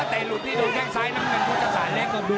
ที่โดนแข้งซ้ายน้ำเงินคนจากศาลเล็ก